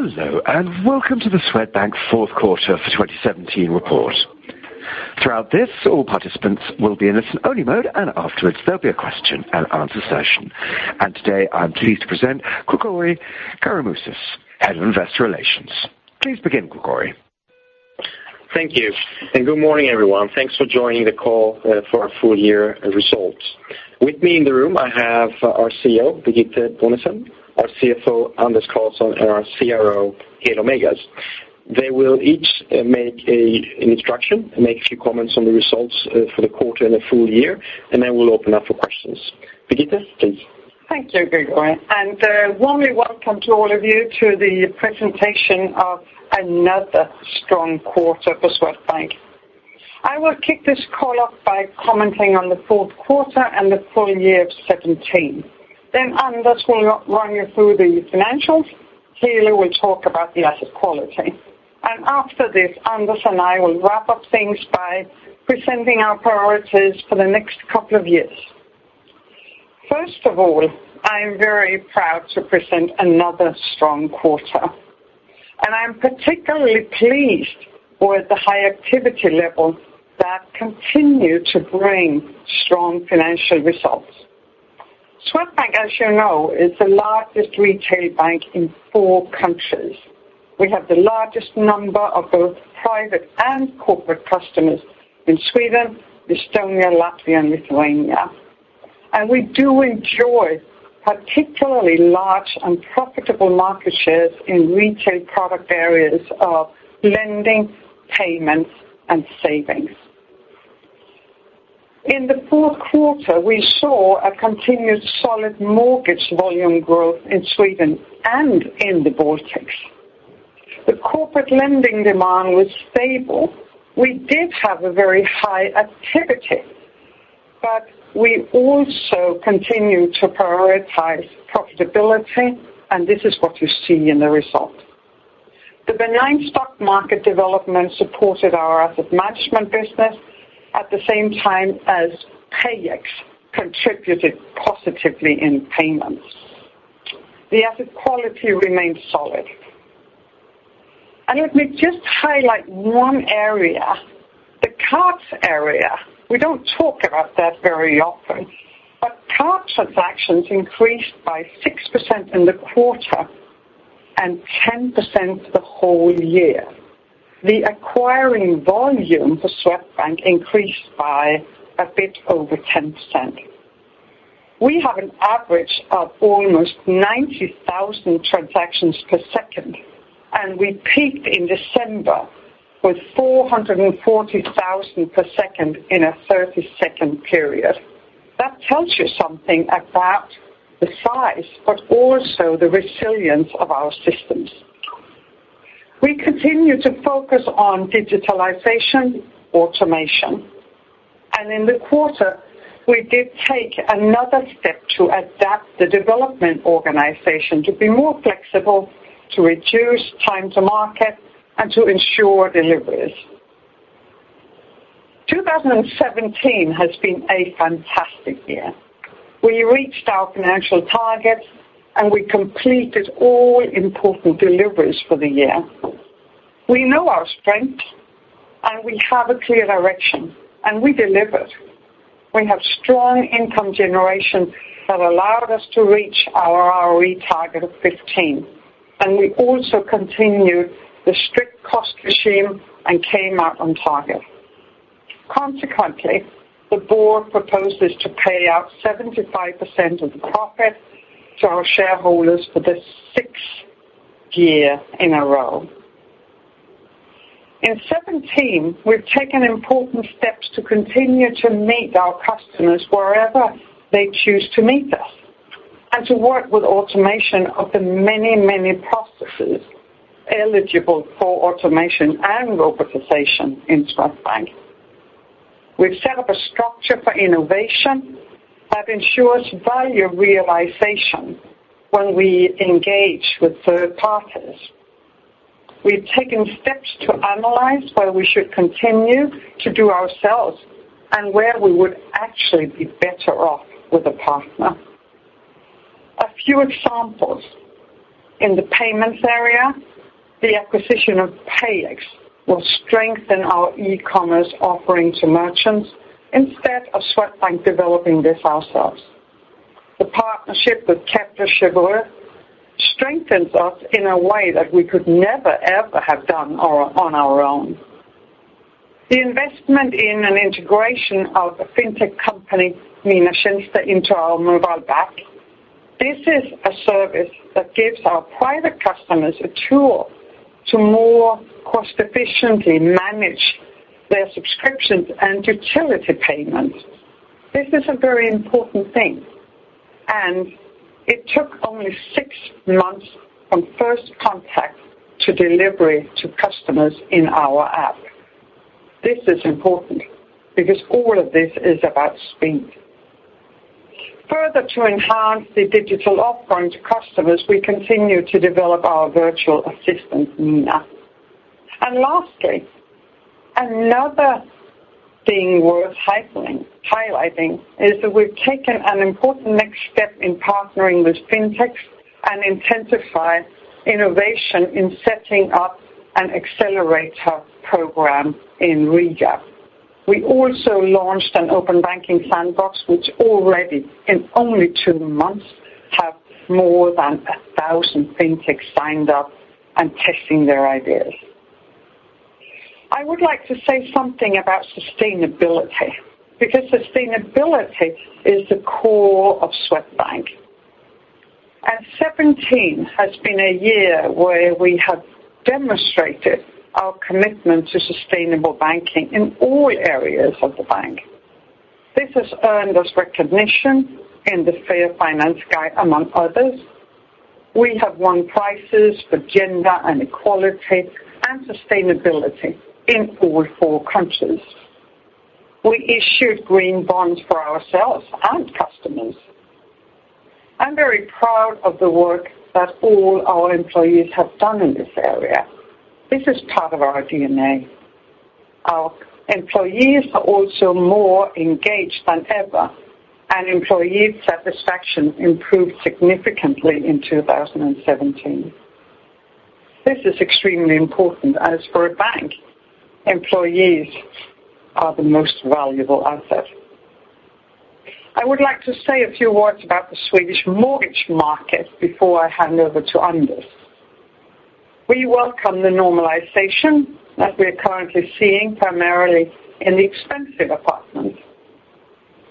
Hello, and welcome to the Swedbank fourth quarter 2017 report. Throughout this, all participants will be in listen-only mode, and afterwards, there'll be a question and answer session. Today, I'm pleased to present Gregori Karamouzis, head of investor relations. Please begin, Gregori. Thank you, and good morning, everyone. Thanks for joining the call for our full year results. With me in the room, I have our CEO, Birgitte Bonnesen, our CFO, Anders Karlsson, and our CRO, Helo Meigas. They will each make an introduction and make a few comments on the results for the quarter and the full year, and then we'll open up for questions. Birgitte, please. Thank you, Gregori, and warmly welcome to all of you to the presentation of another strong quarter for Swedbank. I will kick this call off by commenting on the fourth quarter and the full year of 2017. Then Anders will run you through the financials. Helo will talk about the asset quality. And after this, Anders and I will wrap up things by presenting our priorities for the next couple of years. First of all, I am very proud to present another strong quarter, and I'm particularly pleased with the high activity levels that continue to bring strong financial results. Swedbank, as you know, is the largest retail bank in four countries. We have the largest number of both private and corporate customers in Sweden, Estonia, Latvia, and Lithuania, and we do enjoy particularly large and profitable market shares in retail product areas of lending, payments, and savings. In the fourth quarter, we saw a continued solid mortgage volume growth in Sweden and in the Baltics. The corporate lending demand was stable. We did have a very high activity, but we also continued to prioritize profitability, and this is what you see in the result. The benign stock market development supported our asset management business at the same time as PayEx contributed positively in payments. The asset quality remains solid. And let me just highlight one area, the cards area. We don't talk about that very often, but card transactions increased by 6% in the quarter and 10% the whole year. The acquiring volume for Swedbank increased by a bit over 10%. We have an average of almost 90,000 transactions per second, and we peaked in December with 440,000 per second in a 30-second period. That tells you something about the size, but also the resilience of our systems. We continue to focus on digitalization, automation, and in the quarter, we did take another step to adapt the development organization to be more flexible, to reduce time to market, and to ensure deliveries. 2017 has been a fantastic year. We reached our financial targets, and we completed all important deliveries for the year. We know our strength, and we have a clear direction, and we delivered. We have strong income generation that allowed us to reach our ROE target of 15, and we also continued the strict cost regime and came out on target. Consequently, the board proposes to pay out 75% of the profit to our shareholders for the sixth year in a row. In 2017, we've taken important steps to continue to meet our customers wherever they choose to meet us, and to work with automation of the many, many processes eligible for automation and robotization in Swedbank. We've set up a structure for innovation that ensures value realization when we engage with third parties. We've taken steps to analyze where we should continue to do ourselves and where we would actually be better off with a partner. A few examples: in the payments area, the acquisition of PayEx will strengthen our e-commerce offering to merchants instead of Swedbank developing this ourselves. The partnership with Kepler Cheuvreux strengthens us in a way that we could never, ever have done on, on our own. The investment in an integration of the fintech company, Mina Tjänster, into our mobile bank. This is a service that gives our private customers a tool to more cost efficiently manage their subscriptions and utility payments. This is a very important thing, and it took only six months from first contact to delivery to customers in our app. This is important because all of this is about speed. Further, to enhance the digital offering to customers, we continue to develop our virtual assistant, Nina. Lastly, another thing worth highlighting is that we've taken an important next step in partnering with fintechs and intensify innovation in setting up an accelerator program in Riga. We also launched an open banking sandbox, which already in only two months have more than 1,000 fintechs signed up and testing their ideas. I would like to say something about sustainability, because sustainability is the core of Swedbank. 2017 has been a year where we have demonstrated our commitment to sustainable banking in all areas of the bank. This has earned us recognition in the Fair Finance Guide, among others. We have won prizes for gender and equality, and sustainability in all four countries. We issued green bonds for ourselves and customers. I'm very proud of the work that all our employees have done in this area. This is part of our DNA. Our employees are also more engaged than ever, and employee satisfaction improved significantly in 2017. This is extremely important, as for a bank, employees are the most valuable asset. I would like to say a few words about the Swedish mortgage market before I hand over to Anders. We welcome the normalization that we are currently seeing, primarily in the expensive apartments.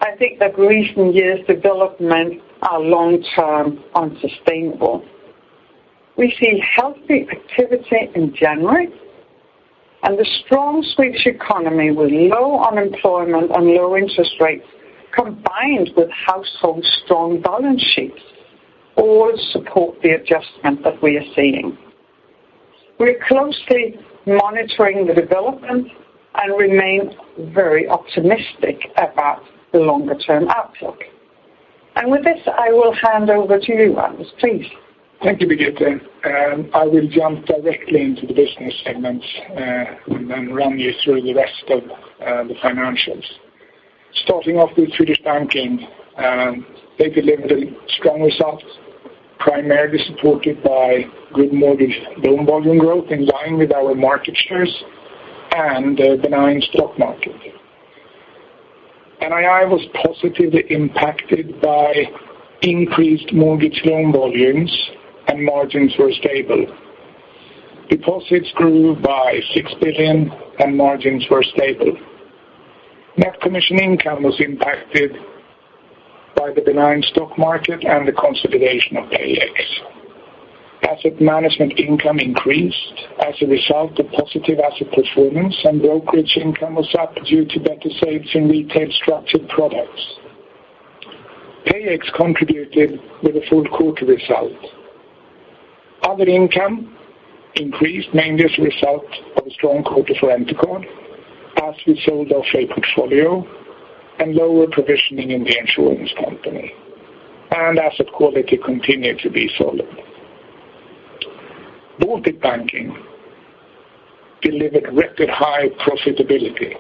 I think that recent years' development are long-term unsustainable. We see healthy activity in January, and the strong Swedish economy with low unemployment and low interest rates, combined with household strong balance sheets, all support the adjustment that we are seeing. We're closely monitoring the development and remain very optimistic about the longer-term outlook. With this, I will hand over to you, Anders, please. Thank you, Birgitte. I will jump directly into the business segments, and then run you through the rest of the financials. Starting off with Swedish banking, they delivered a strong result, primarily supported by good mortgage loan volume growth in line with our market shares and a benign stock market. NII was positively impacted by increased mortgage loan volumes, and margins were stable. Deposits grew by 6 billion, and margins were stable. Net commission income was impacted by the benign stock market and the consolidation of PayEx. Asset management income increased as a result of positive asset performance, and brokerage income was up due to better sales in retail structured products. PayEx contributed with a full quarter result. Other income increased, mainly as a result of a strong quarter for Entercard, as we sold off a portfolio and lower provisioning in the insurance company, and asset quality continued to be solid. Baltic banking delivered record high profitability.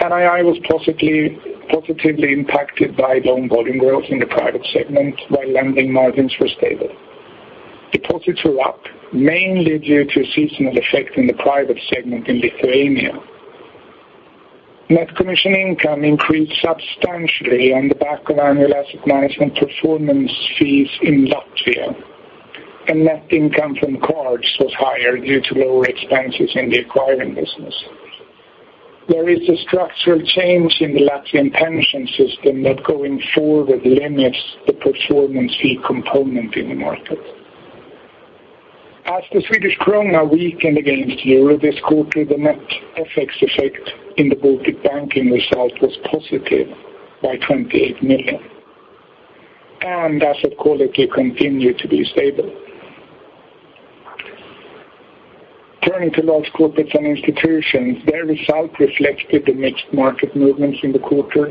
NII was positively, positively impacted by loan volume growth in the private segment, while lending margins were stable. Deposits were up, mainly due to a seasonal effect in the private segment in Lithuania. Net commission income increased substantially on the back of annual asset management performance fees in Latvia, and net income from cards was higher due to lower expenses in the acquiring business. There is a structural change in the Latvian pension system that going forward limits the performance fee component in the market. As the Swedish krona weakened against euro this quarter, the net FX effect in the Baltic banking result was positive by 28 million, and asset quality continued to be stable. Turning to large corporates and institutions, their result reflected the mixed market movements in the quarter.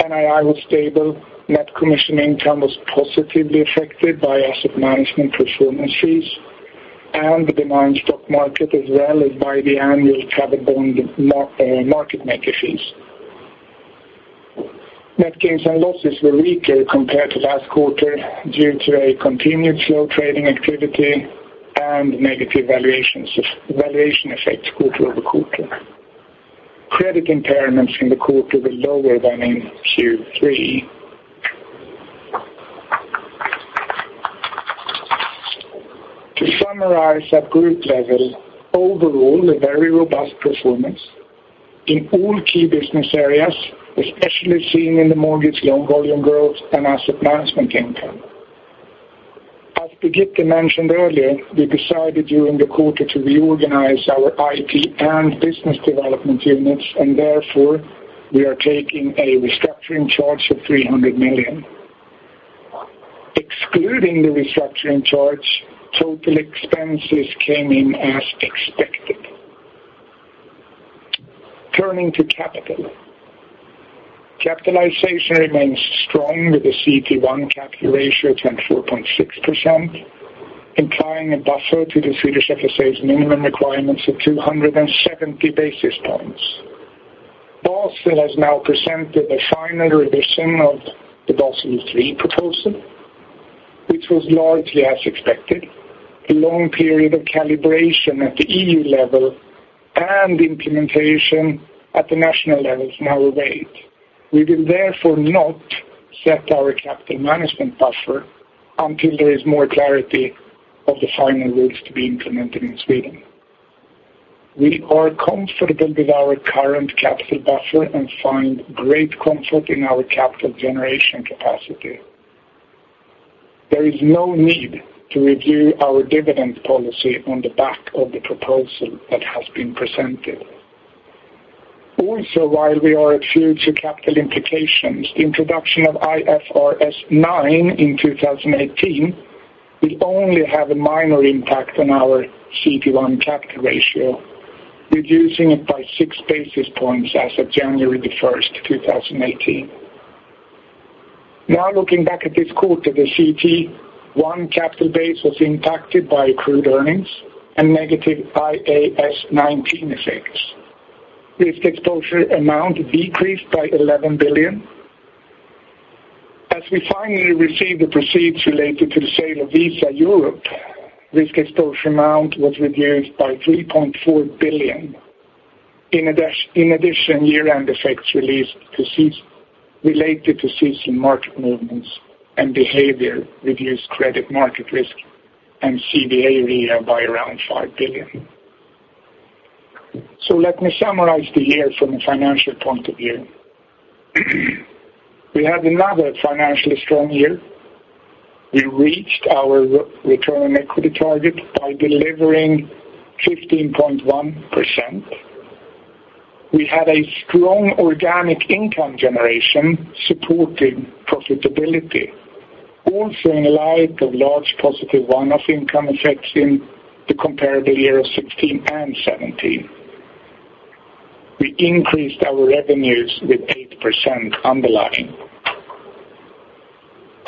NII was stable. Net commission income was positively affected by asset management performance fees and the benign stock market, as well as by the annual travel bond market maker fees. Net gains and losses were weaker compared to last quarter, due to a continued slow trading activity and negative valuations, valuation effects quarter-over-quarter. Credit impairments in the quarter were lower than in Q3. To summarize, at group level, overall, a very robust performance in all key business areas, especially seen in the mortgage loan volume growth and asset management income. As Birgitte mentioned earlier, we decided during the quarter to reorganize our IT and business development units, and therefore, we are taking a restructuring charge of 300 million. Excluding the restructuring charge, total expenses came in as expected. Turning to capital. Capitalization remains strong with the CET1 capital ratio at 24.6%, implying a buffer to the Swedish FSA's minimum requirements of 270 basis points. Basel has now presented a final revision of the Basel III proposal, which was largely as expected. A long period of calibration at the EU level and implementation at the national level is now awaiting. We will therefore not set our capital management buffer until there is more clarity of the final rules to be implemented in Sweden. We are comfortable with our current capital buffer and find great comfort in our capital generation capacity. There is no need to review our dividend policy on the back of the proposal that has been presented. Also, while we are attuned to capital implications, the introduction of IFRS 9 in 2018 will only have a minor impact on our CET1 capital ratio, reducing it by 6 basis points as of January 1, 2018. Now, looking back at this quarter, the CET1 capital base was impacted by accrued earnings and negative IAS 19 effects. Risk exposure amount decreased by 11 billion. As we finally receive the proceeds related to the sale of Visa Europe, risk exposure amount was reduced by 3.4 billion. In addition, year-end effects released proceeds related to season market movements and behavior reduced credit market risk and CVA by around 5 billion. Let me summarize the year from a financial point of view. We had another financially strong year. We reached our return on equity target by delivering 15.1%. We had a strong organic income generation supporting profitability, also in light of large positive one-off income effects in the comparable year of 2016 and 2017. We increased our revenues with 8% underlying.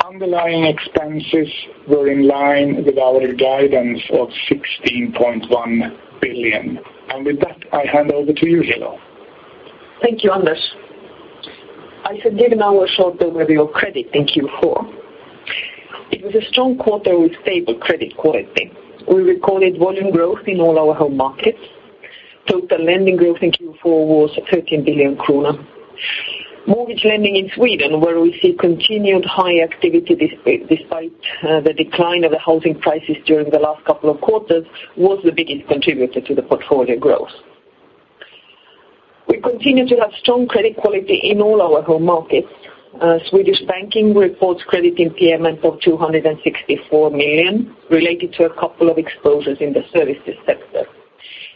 Underlying expenses were in line with our guidance of 16.1 billion. With that, I hand over to you, Helo. Thank you, Anders. I should give now a short overview of credit in Q4. It was a strong quarter with stable credit quality. We recorded volume growth in all our home markets. Total lending growth in Q4 was 13 billion kronor. Mortgage lending in Sweden, where we see continued high activity despite the decline of the housing prices during the last couple of quarters, was the biggest contributor to the portfolio growth. We continue to have strong credit quality in all our home markets. Swedish Banking reports credit impairment of 264 million, related to a couple of exposures in the services sector.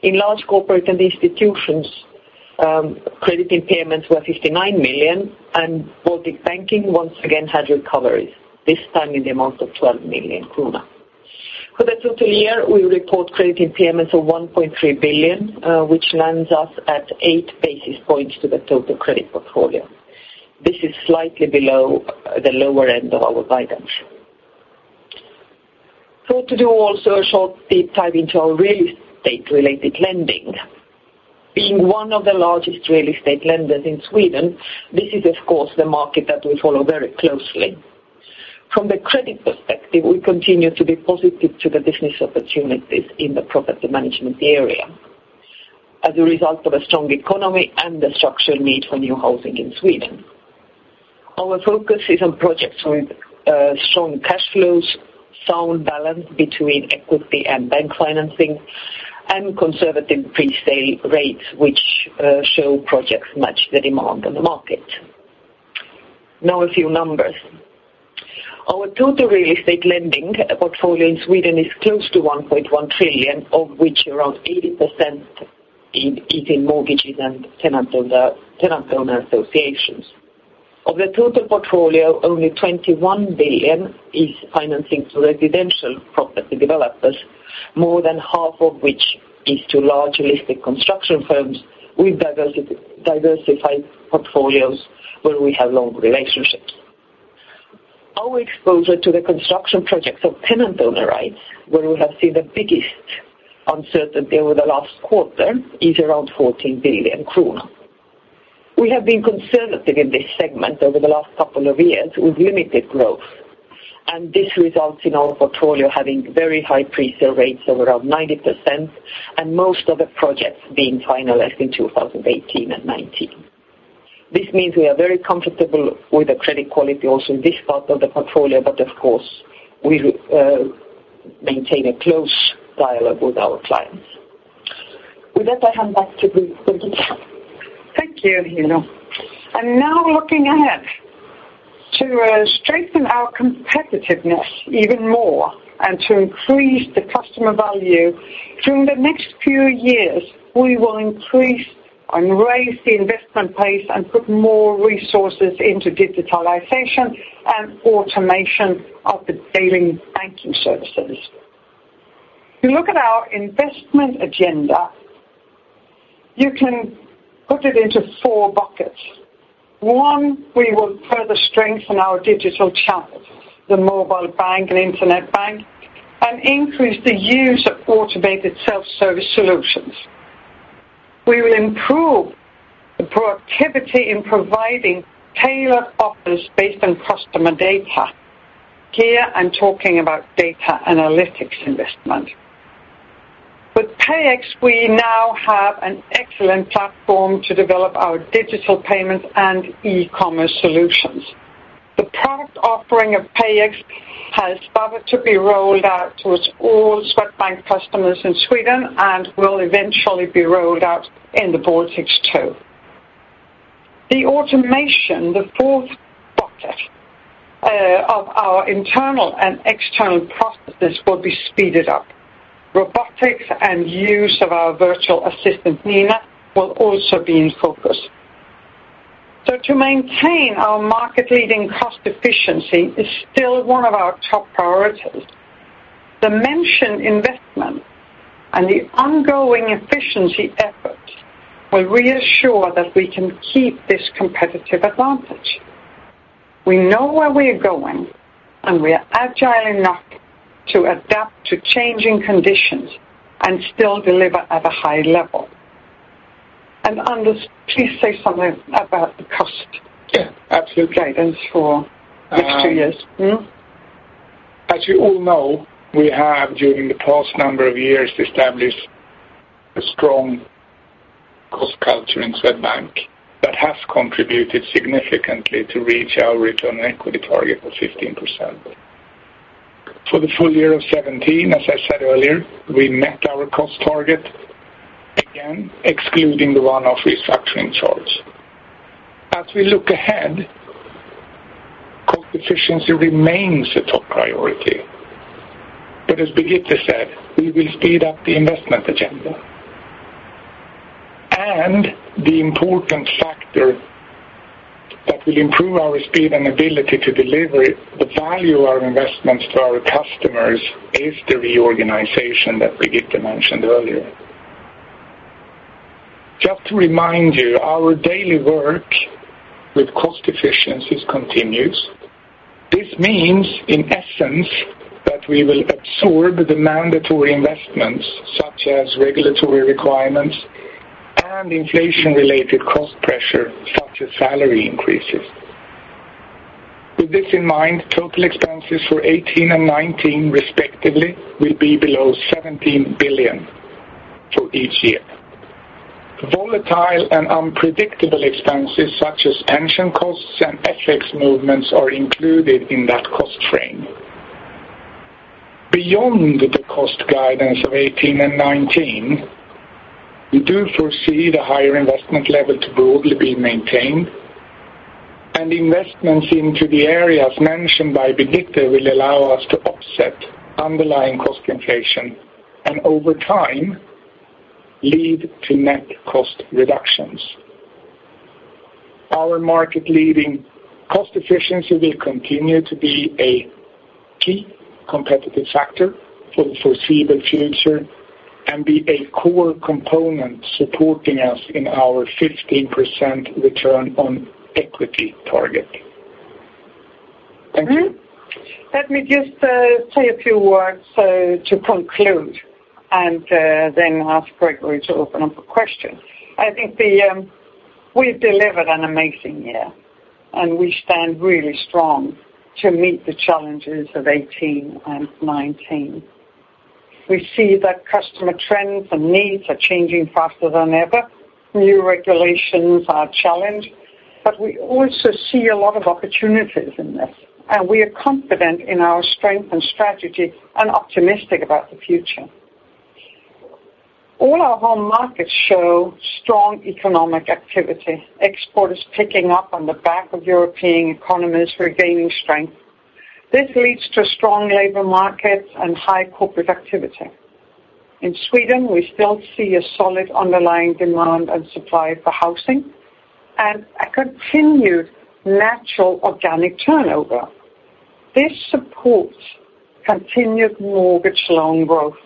In large corporates and institutions, credit impairments were 59 million, and Baltic Banking once again had recoveries, this time in the amount of 12 million krona. For the total year, we report credit impairments of 1.3 billion, which lands us at 8 basis points to the total credit portfolio. This is slightly below the lower end of our guidance. Thought to do also a short deep dive into our real estate-related lending. Being one of the largest real estate lenders in Sweden, this is, of course, the market that we follow very closely. From the credit perspective, we continue to be positive to the business opportunities in the property management area as a result of a strong economy and the structural need for new housing in Sweden. Our focus is on projects with strong cash flows, sound balance between equity and bank financing, and conservative pre-sale rates, which show projects match the demand on the market. Now, a few numbers. Our total real estate lending portfolio in Sweden is close to 1.1 trillion, of which around 80% is in mortgages and tenant-owner associations. Of the total portfolio, only 21 billion is financing to residential property developers, more than half of which is to large real estate construction firms with diversified portfolios, where we have long relationships. Our exposure to the construction projects of tenant-owner rights, where we have seen the biggest uncertainty over the last quarter, is around 14 billion kronor. We have been conservative in this segment over the last couple of years with limited growth, and this results in our portfolio having very high pre-sale rates of around 90%, and most of the projects being finalized in 2018 and 2019. This means we are very comfortable with the credit quality also in this part of the portfolio, but of course, we maintain a close dialogue with our clients. With that, I hand back to Birgitte. Thank you, Helo. And now looking ahead to strengthen our competitiveness even more and to increase the customer value, during the next few years, we will increase and raise the investment pace and put more resources into digitalization and automation of the daily banking services.... If you look at our investment agenda, you can put it into four buckets. One, we will further strengthen our digital channels, the mobile bank and internet bank, and increase the use of automated self-service solutions. We will improve the productivity in providing tailored offers based on customer data. Here, I'm talking about data analytics investment. With PayEx, we now have an excellent platform to develop our digital payment and e-commerce solutions. The product offering of PayEx has started to be rolled out towards all Swedbank customers in Sweden and will eventually be rolled out in the Baltics, too. The automation, the fourth bucket, of our internal and external processes will be speeded up. Robotics and use of our virtual assistant, Nina, will also be in focus. So to maintain our market-leading cost efficiency is still one of our top priorities. The mentioned investment and the ongoing efficiency efforts will reassure that we can keep this competitive advantage. We know where we're going, and we are agile enough to adapt to changing conditions and still deliver at a high level. Anders, please say something about the cost. Yeah, absolutely. Guidance for the next two years. Mm-hmm. As you all know, we have, during the past number of years, established a strong cost culture in Swedbank that has contributed significantly to reach our return on equity target of 15%. For the full year of 2017, as I said earlier, we met our cost target, again, excluding the one-off restructuring charge. As we look ahead, cost efficiency remains a top priority. But as Birgitte said, we will speed up the investment agenda. And the important factor that will improve our speed and ability to deliver the value of our investments to our customers is the reorganization that Birgitte mentioned earlier. Just to remind you, our daily work with cost efficiencies continues. This means, in essence, that we will absorb the mandatory investments, such as regulatory requirements and inflation-related cost pressure, such as salary increases. With this in mind, total expenses for 2018 and 2019, respectively, will be below 17 billion for each year. Volatile and unpredictable expenses, such as pension costs and FX movements, are included in that cost frame. Beyond the cost guidance of 2018 and 2019, we do foresee the higher investment level to broadly be maintained, and investments into the areas mentioned by Birgitte will allow us to offset underlying cost inflation, and over time, lead to net cost reductions. Our market-leading cost efficiency will continue to be a key competitive factor for the foreseeable future and be a core component supporting us in our 15% return on equity target. Thank you. Let me just say a few words to conclude and then ask Gregori to open up for questions. I think we've delivered an amazing year, and we stand really strong to meet the challenges of 2018 and 2019. We see that customer trends and needs are changing faster than ever. New regulations are a challenge, but we also see a lot of opportunities in this, and we are confident in our strength and strategy and optimistic about the future. All our home markets show strong economic activity. Export is picking up on the back of European economies regaining strength. This leads to strong labor markets and high corporate activity. In Sweden, we still see a solid underlying demand and supply for housing and a continued natural organic turnover. This supports continued mortgage loan growth.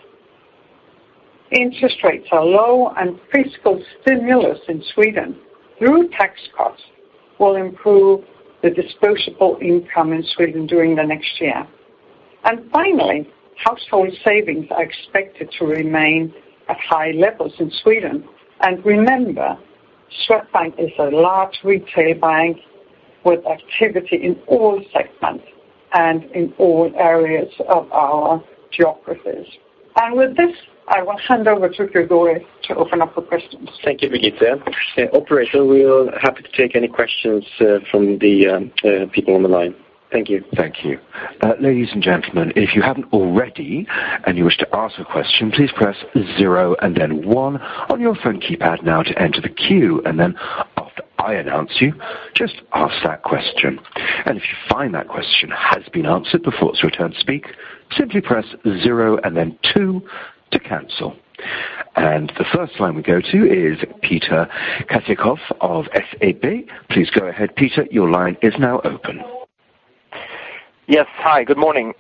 Interest rates are low, and fiscal stimulus in Sweden, through tax cuts, will improve the disposable income in Sweden during the next year. Finally, household savings are expected to remain at high levels in Sweden. Remember, Swedbank is a large retail bank with activity in all segments and in all areas of our geographies. With this, I will hand over to Gregori to open up for questions. Thank you, Birgitte. Operator, we are happy to take any questions from the people on the line. Thank you. Thank you. Ladies and gentlemen, if you haven't already and you wish to ask a question, please press zero and then one on your phone keypad now to enter the queue. And then after I announce you, just ask that question. And if you find that question has been answered before it's your turn to speak, simply press zero and then two to cancel. And the first line we go to is Peter Kjell of SEB. Please go ahead, Peter. Your line is now open.... Yes. Hi, good morning.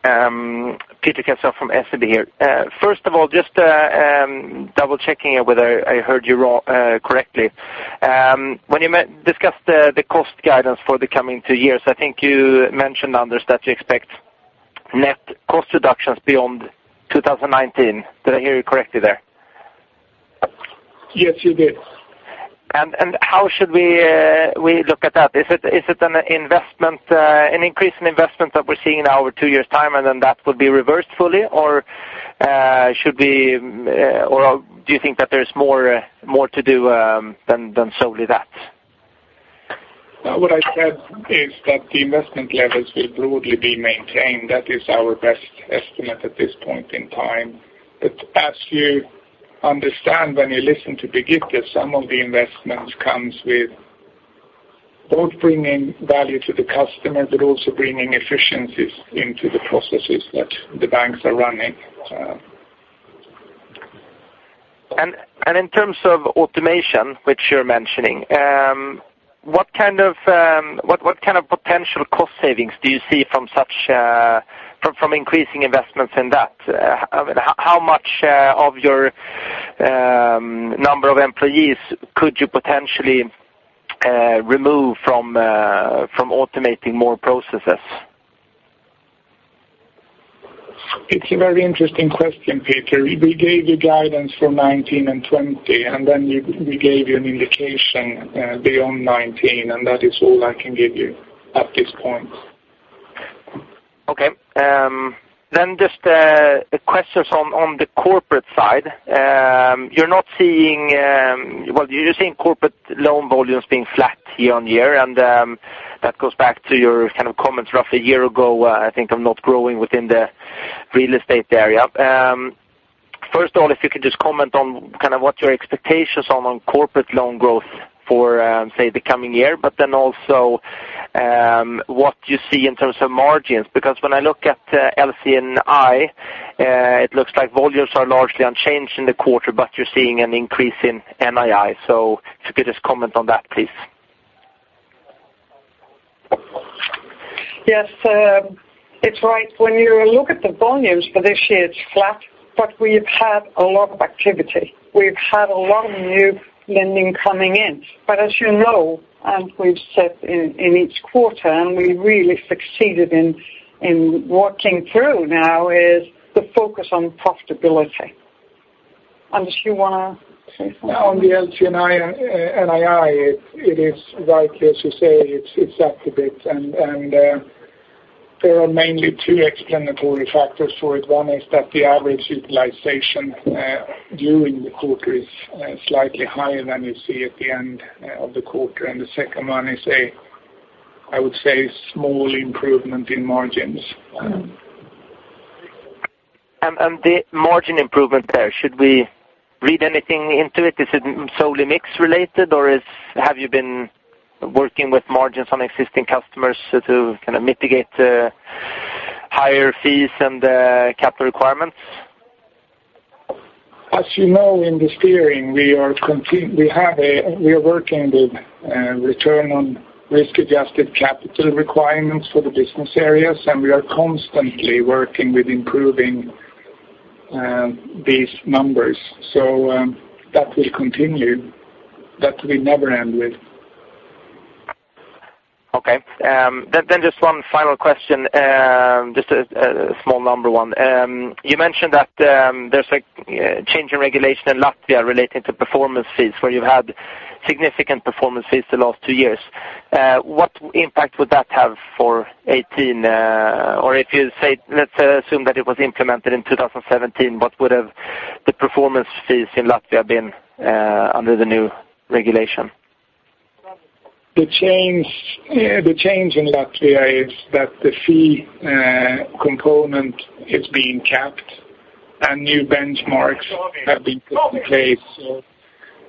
Peter Kjell from SEB here. First of all, just double checking whether I heard you wrong, correctly. When you discussed the cost guidance for the coming two years, I think you mentioned under that you expect net cost reductions beyond 2019. Did I hear you correctly there? Yes, you did. How should we look at that? Is it an investment, an increase in investment that we're seeing now or two years time, and then that would be reversed fully? Or should we, or do you think that there's more to do than solely that? What I said is that the investment levels will broadly be maintained. That is our best estimate at this point in time. But as you understand, when you listen to Birgitte, some of the investments comes with both bringing value to the customer, but also bringing efficiencies into the processes that the banks are running, so. In terms of automation, which you're mentioning, what kind of potential cost savings do you see from such, from increasing investments in that? How much of your number of employees could you potentially remove from automating more processes? It's a very interesting question, Peter. We gave you guidance for 2019 and 2020, and then we gave you an indication beyond 2019, and that is all I can give you at this point. Okay. Then just questions on the corporate side. You're not seeing, well, you're seeing corporate loan volumes being flat year-over-year, and that goes back to your kind of comments roughly a year ago, I think, on not growing within the real estate area. First of all, if you could just comment on kind of what your expectations are on corporate loan growth for, say, the coming year, but then also what you see in terms of margins. Because when I look at LC&I, it looks like volumes are largely unchanged in the quarter, but you're seeing an increase in NII. So if you could just comment on that, please. Yes, it's right. When you look at the volumes for this year, it's flat, but we've had a lot of activity. We've had a lot of new lending coming in. But as you know, and we've said in each quarter, and we really succeeded in walking through now, is the focus on profitability. Anders, you want to say something? On the LCNI, NII, it is rightly, as you say, it's up a bit. And there are mainly two explanatory factors for it. One is that the average utilization during the quarter is slightly higher than you see at the end of the quarter. And the second one is a, I would say, small improvement in margins. And the margin improvement there, should we read anything into it? Is it solely mix related, or have you been working with margins on existing customers to kind of mitigate the higher fees and capital requirements? As you know, in the steering, we have a, we are working with return on risk-adjusted capital requirements for the business areas, and we are constantly working with improving these numbers. So, that will continue. That we never end with. Okay. Then just one final question, just a small number one. You mentioned that there's a change in regulation in Latvia relating to performance fees, where you've had significant performance fees the last two years. What impact would that have for 2018? Or if you say, let's assume that it was implemented in 2017, what would have the performance fees in Latvia been under the new regulation? The change, the change in Latvia is that the fee component is being capped, and new benchmarks have been put in place. So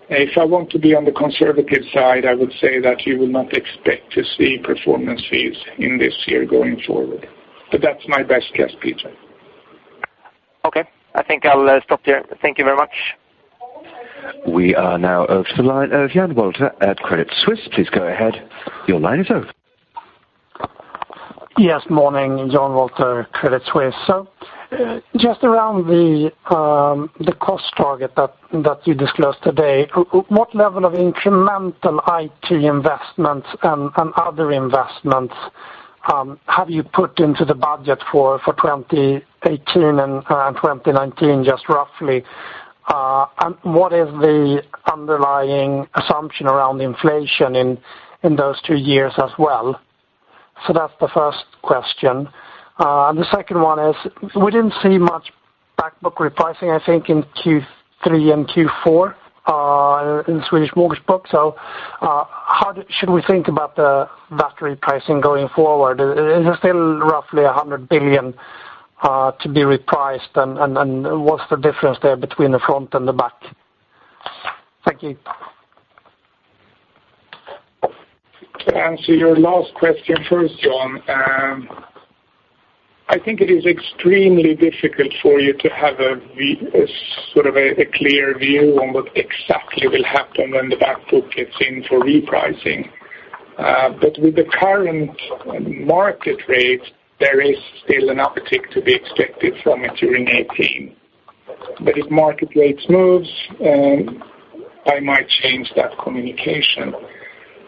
if I want to be on the conservative side, I would say that you will not expect to see performance fees in this year going forward. But that's my best guess, Peter. Okay. I think I'll stop there. Thank you very much. We are now over to the line of Jan Wolter at Credit Suisse. Please go ahead. Your line is open. Yes, morning, Jan Wolter, Credit Suisse. So, just around the, the cost target that, that you disclosed today, what level of incremental IT investments and, and other investments, have you put into the budget for, for 2018 and, and 2019, just roughly? And what is the underlying assumption around inflation in, in those two years as well? So that's the first question. And the second one is, we didn't see much back book repricing, I think, in Q3 and Q4, in the Swedish mortgage book. So, how should we think about the back repricing going forward? Is there still roughly 100 billion to be repriced, and, and, and what's the difference there between the front and the back? Thank you. To answer your last question first, Jan, I think it is extremely difficult for you to have a sort of a, a clear view on what exactly will happen when the back book gets in for repricing. With the current market rate, there is still an uptick to be expected from it during 2018. If market rates move, I might change that communication.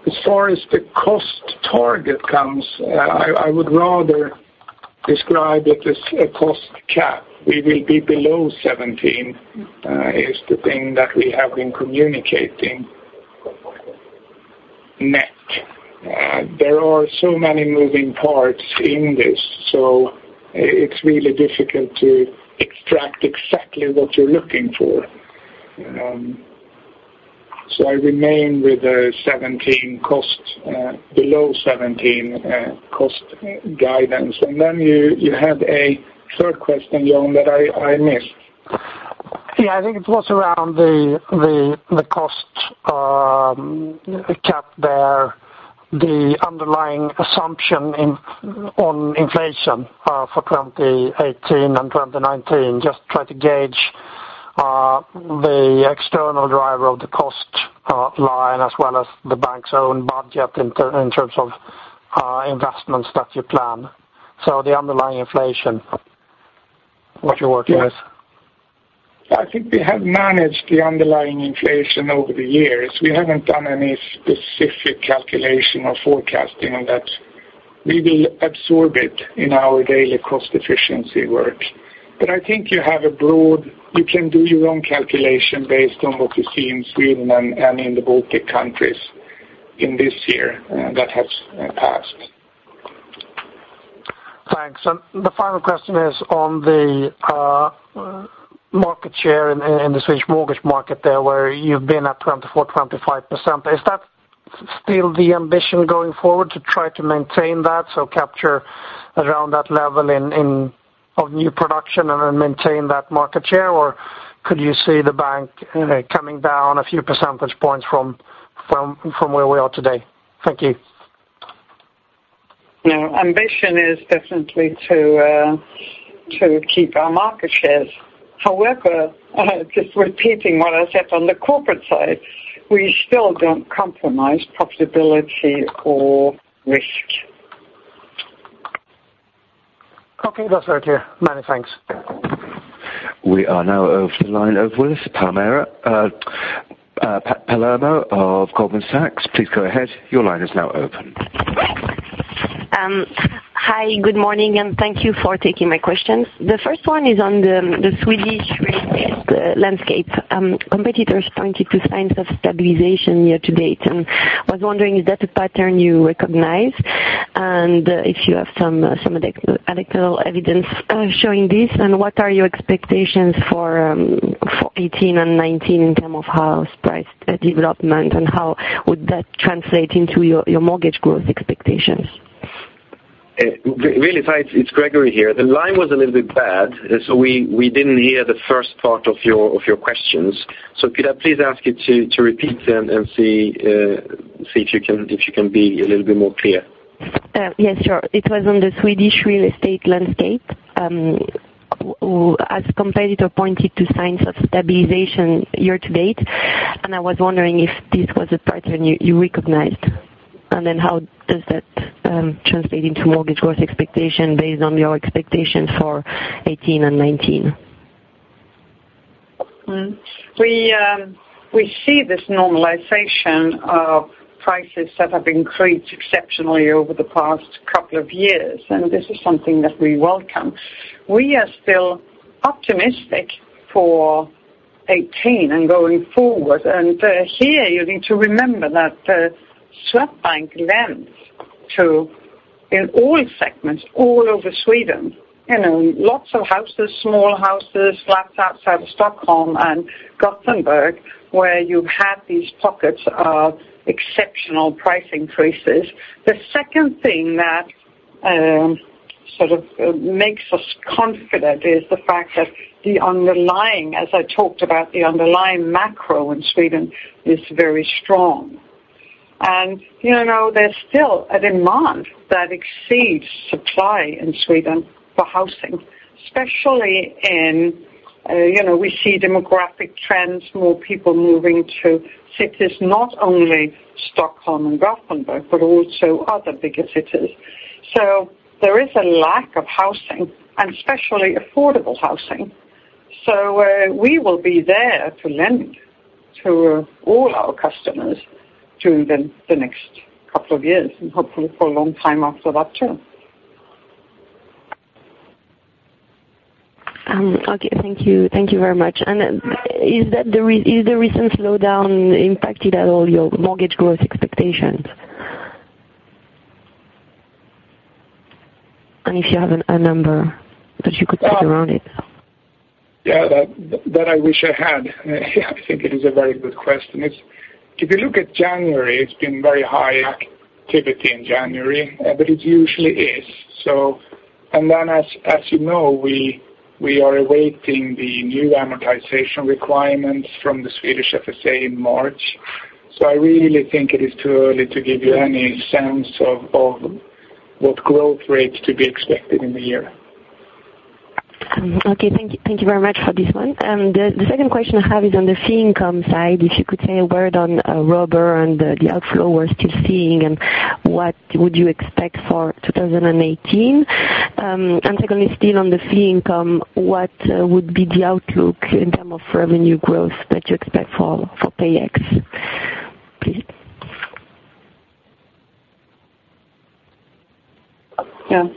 As far as the cost target comes, I would rather describe it as a cost cap. We will be below 17, is the thing that we have been communicating, net. There are so many moving parts in this, so it's really difficult to extract exactly what you're looking for. I remain with the 17 cost, below 17, cost guidance. And then you had a third question, John, that I missed. Yeah, I think it was around the cost cap there, the underlying assumption on inflation for 2018 and 2019. Just try to gauge the external driver of the cost line, as well as the bank's own budget in terms of investments that you plan. So the underlying inflation, what you're working with. I think we have managed the underlying inflation over the years. We haven't done any specific calculation or forecasting on that. We will absorb it in our daily cost efficiency work. But I think you have a broad—you can do your own calculation based on what you see in Sweden and in the Baltic countries in this year that has passed. Thanks. And the final question is on the market share in the Swedish mortgage market there, where you've been at 24-25%. Is that still the ambition going forward, to try to maintain that? So capture around that level in of new production and then maintain that market share, or could you see the bank coming down a few percentage points from where we are today? Thank you. No, ambition is definitely to keep our market shares. However, just repeating what I said on the corporate side, we still don't compromise profitability or risk. Okay, that's clear. Many thanks. We are now opening the line over with Palermo of Goldman Sachs, please go ahead. Your line is now open. Hi, good morning, and thank you for taking my questions. The first one is on the Swedish real estate landscape. Competitors pointed to signs of stabilization year to date, and was wondering, is that a pattern you recognize? And if you have some anecdotal evidence showing this, and what are your expectations for 2018 and 2019 in terms of house price development, and how would that translate into your mortgage growth expectations? Very sorry, it's Gregori here. The line was a little bit bad, so we didn't hear the first part of your questions. So can I please ask you to repeat them and see if you can be a little bit more clear. Yes, sure. It was on the Swedish real estate landscape. As a competitor pointed to signs of stabilization year to date, and I was wondering if this was a pattern you, you recognized? And then how does that translate into mortgage growth expectation based on your expectation for 2018 and 2019? We, we see this normalization of prices that have increased exceptionally over the past couple of years, and this is something that we welcome. We are still optimistic for 2018 and going forward. And, here, you need to remember that, Swedbank lends to, in all segments, all over Sweden, you know, lots of houses, small houses, flats outside of Stockholm and Gothenburg, where you had these pockets of exceptional price increases. The second thing that, sort of makes us confident is the fact that the underlying, as I talked about, the underlying macro in Sweden is very strong. And, you know, there's still a demand that exceeds supply in Sweden for housing, especially in, you know, we see demographic trends, more people moving to cities, not only Stockholm and Gothenburg, but also other bigger cities. So there is a lack of housing, and especially affordable housing. So, we will be there to lend to all our customers through the next couple of years, and hopefully for a long time after that, too. Okay. Thank you. Thank you very much. And then has the recent slowdown impacted at all your mortgage growth expectations? And if you have a number that you could put around it. Yeah, that I wish I had. I think it is a very good question. It's... If you look at January, it's been very high activity in January, but it usually is. So. And then as you know, we are awaiting the new amortization requirements from the Swedish FSA in March... So I really think it is too early to give you any sense of what growth rates to be expected in the year. Okay, thank you, thank you very much for this one. And the second question I have is on the fee income side, if you could say a word on Robur and the outflow we're still seeing, and what would you expect for 2018? And secondly, still on the fee income, what would be the outlook in terms of revenue growth that you expect for PayEx, please? Yeah.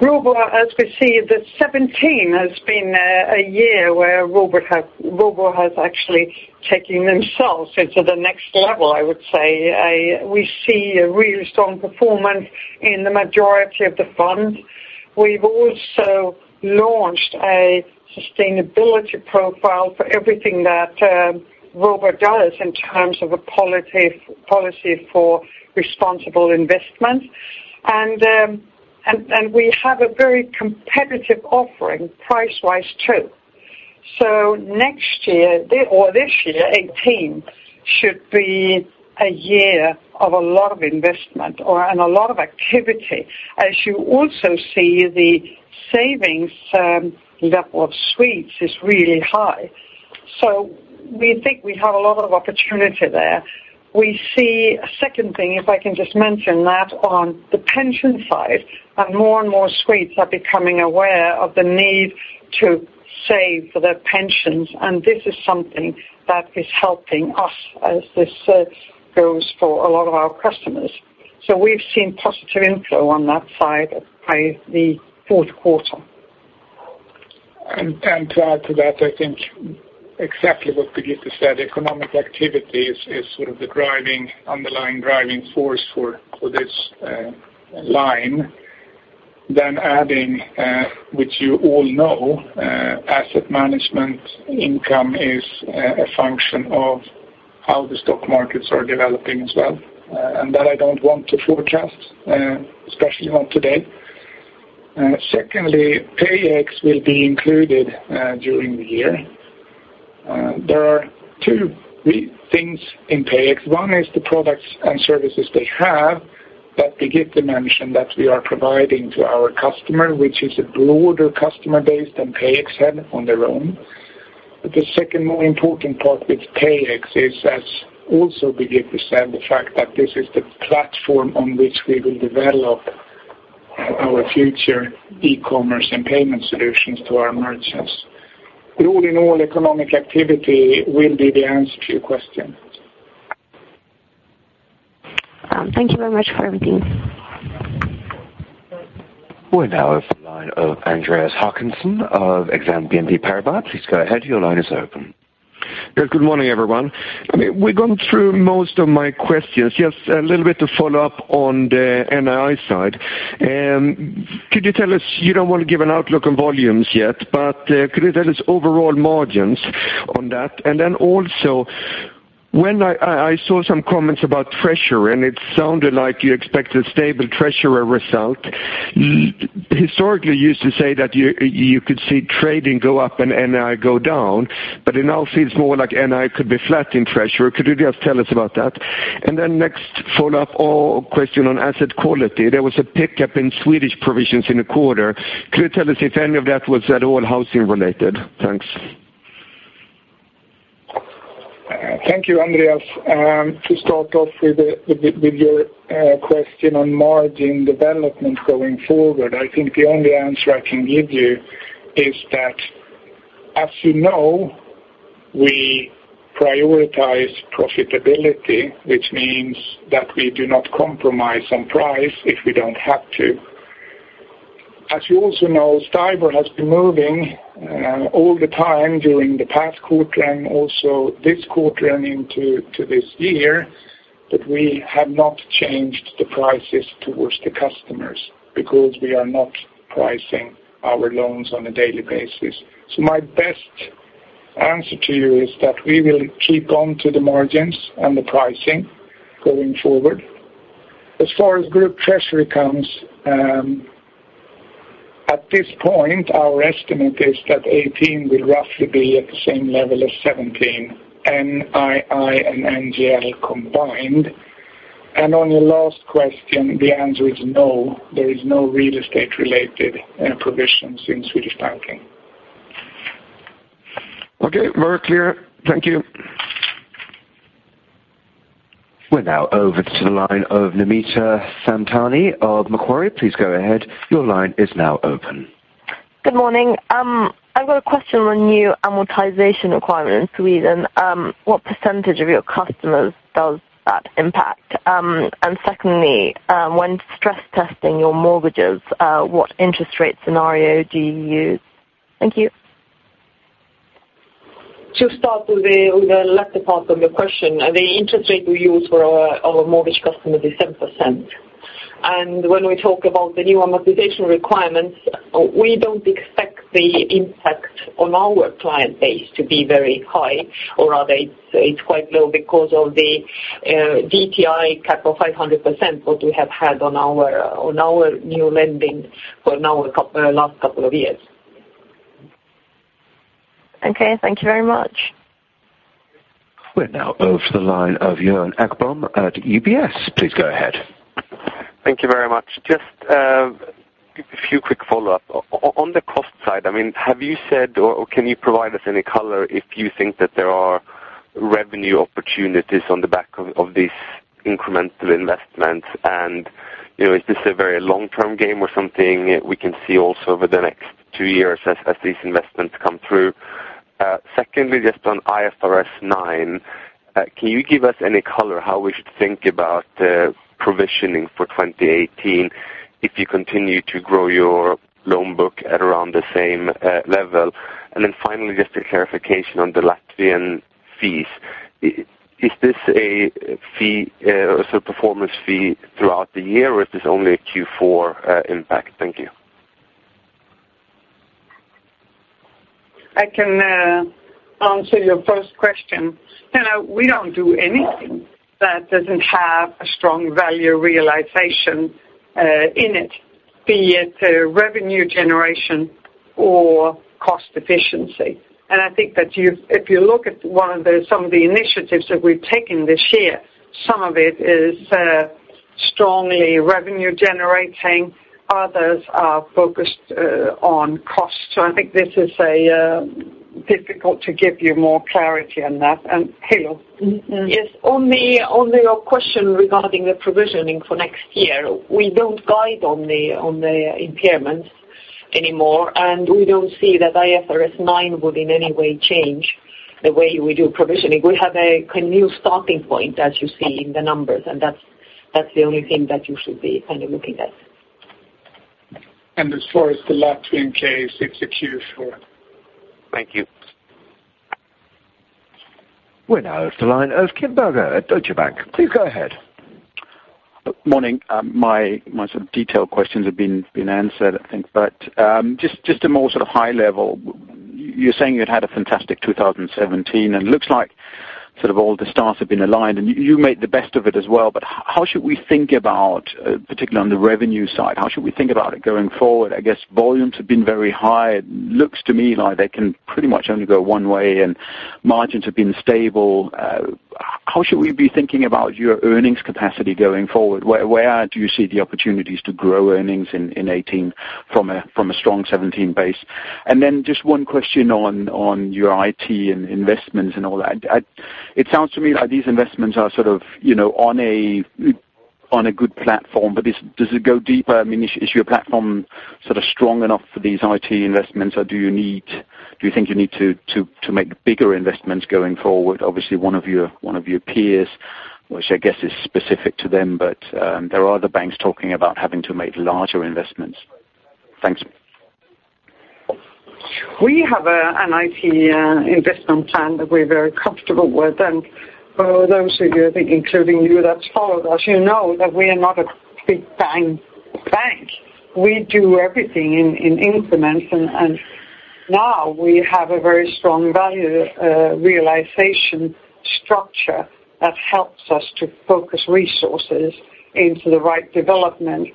Robur, as we see, 2017 has been a year where Robur has actually taken themselves into the next level, I would say. We see a really strong performance in the majority of the funds. We've also launched a sustainability profile for everything that Robur does in terms of a policy for responsible investment. And we have a very competitive offering price-wise, too. So next year, or this year, 2018, should be a year of a lot of investment or and a lot of activity. As you also see, the savings level of Swedes is really high. So we think we have a lot of opportunity there. We see a second thing, if I can just mention that, on the pension side, that more and more Swedes are becoming aware of the need to save for their pensions, and this is something that is helping us as this, goes for a lot of our customers. So we've seen positive inflow on that side by the fourth quarter. To add to that, I think exactly what Birgitte said, economic activity is sort of the driving, underlying driving force for this line. Then adding, which you all know, asset management income is a function of how the stock markets are developing as well, and that I don't want to forecast, especially not today. Secondly, PayEx will be included during the year. There are two key things in PayEx. One is the products and services they have that Birgitte mentioned that we are providing to our customer, which is a broader customer base than PayEx had on their own. But the second more important part with PayEx is, as also Birgitte said, the fact that this is the platform on which we will develop our future e-commerce and payment solutions to our merchants. All in all, economic activity will be the answer to your question. Thank you very much for everything. We now have the line of Andreas Håkansson of Exane BNP Paribas. Please go ahead, your line is open. Good morning, everyone. I mean, we've gone through most of my questions. Just a little bit to follow up on the NII side. Could you tell us, you don't want to give an outlook on volumes yet, but could you tell us overall margins on that? And then also, when I saw some comments about treasury, and it sounded like you expected stable treasury result. Historically, you used to say that you could see trading go up and NII go down, but it now feels more like NII could be flat in treasury. Could you just tell us about that? And then next follow-up or question on asset quality. There was a pickup in Swedish provisions in the quarter. Could you tell us if any of that was at all housing related? Thanks. Thank you, Andreas. To start off with, with your question on margin development going forward, I think the only answer I can give you is that, as you know, we prioritize profitability, which means that we do not compromise on price if we don't have to. As you also know, STIBOR has been moving all the time during the past quarter and also this quarter and into this year, but we have not changed the prices towards the customers because we are not pricing our loans on a daily basis. So my best answer to you is that we will keep on to the margins and the pricing going forward. As far as group treasury accounts, at this point, our estimate is that 2018 will roughly be at the same level as 2017, NII and NGL combined. On your last question, the answer is no, there is no real estate-related provisions in Swedish banking. Okay, very clear. Thank you. We're now over to the line of Namita Samtani of Macquarie. Please go ahead, your line is now open. Good morning. I've got a question on the new amortization requirement in Sweden. What percentage of your customers does that impact? And secondly, when stress testing your mortgages, what interest rate scenario do you use? Thank you. To start with the latter part of your question, the interest rate we use for our mortgage customer is 7%. And when we talk about the new amortization requirements, we don't expect the impact on our client base to be very high, or rather, it's quite low because of the DTI cap of 500%, what we have had on our new lending for the last couple of years. Okay, thank you very much. We're now over to the line of Johan Ekblom at UBS. Please go ahead. Thank you very much. Just a few quick follow-up. On the cost side, I mean, have you said or can you provide us any color if you think that there are revenue opportunities on the back of this incremental investment? And, you know, is this a very long-term game or something we can see also over the next two years as these investments come through? Secondly, just on IFRS 9, can you give us any color how we should think about provisioning for 2018 if you continue to grow your loan book at around the same level? And then finally, just a clarification on the Latvian fees. Is this a fee so performance fee throughout the year, or is this only a Q4 impact? Thank you. I can answer your first question. You know, we don't do anything that doesn't have a strong value realization in it, be it a revenue generation or cost efficiency. And I think that you – if you look at one of the, some of the initiatives that we've taken this year, some of it is strongly revenue generating, others are focused on cost. So I think this is a difficult to give you more clarity on that. And Helo? Mm-hmm. Yes, on your question regarding the provisioning for next year, we don't guide on the impairments anymore, and we don't see that IFRS 9 would in any way change the way we do provisioning. We have a new starting point, as you see in the numbers, and that's the only thing that you should be kind of looking at. As far as the Latvian case, it's a Q4. Thank you. We're now on the line of Kim Bergoe at Deutsche Bank. Please go ahead. Morning. My sort of detailed questions have been answered, I think. But just a more sort of high level, you're saying you'd had a fantastic 2017, and looks like sort of all the stars have been aligned, and you made the best of it as well. But how should we think about, particularly on the revenue side, how should we think about it going forward? I guess volumes have been very high. It looks to me like they can pretty much only go one way, and margins have been stable. How should we be thinking about your earnings capacity going forward? Where do you see the opportunities to grow earnings in 2018 from a strong 2017 base? And then just one question on your IT and investments and all that. It sounds to me like these investments are sort of, you know, on a good platform, but does it go deeper? I mean, is your platform sort of strong enough for these IT investments, or do you need, do you think you need to make bigger investments going forward? Obviously, one of your peers, which I guess is specific to them, but there are other banks talking about having to make larger investments. Thanks. We have an IT investment plan that we're very comfortable with. For those of you, I think, including you, that followed us, you know that we are not a big bang bank. We do everything in increments, and now we have a very strong value realization structure that helps us to focus resources into the right development.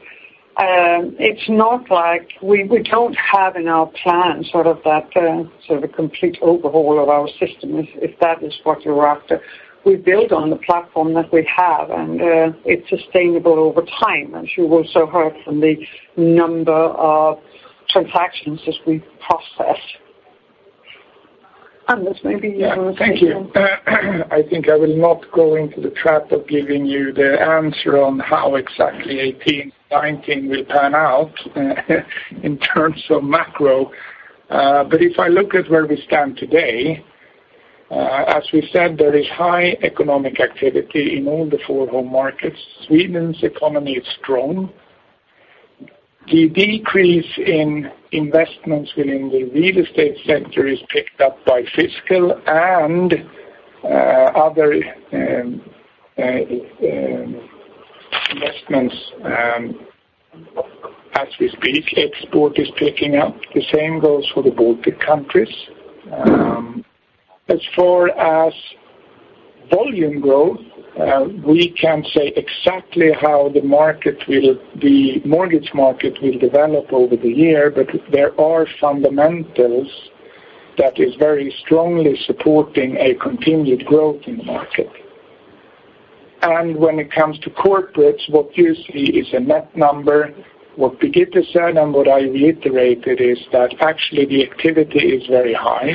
It's not like we don't have in our plan sort of that sort of complete overhaul of our system, if that is what you're after. We build on the platform that we have, and it's sustainable over time, as you also heard from the number of transactions as we process. Anders, maybe you want to say something. Yeah. Thank you. I think I will not go into the trap of giving you the answer on how exactly 2018, 2019 will pan out in terms of macro. But if I look at where we stand today, as we said, there is high economic activity in all four home markets. Sweden's economy is strong. The decrease in investments within the real estate sector is picked up by fiscal and other investments, as we speak, export is picking up. The same goes for the Baltic countries. As far as volume growth, we can't say exactly how the market will, the mortgage market will develop over the year, but there are fundamentals that is very strongly supporting a continued growth in the market. And when it comes to corporates, what you see is a net number. What Birgitte said, and what I reiterated is that actually the activity is very high,